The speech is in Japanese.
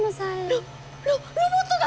ロロロボットが！